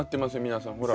皆さんほら。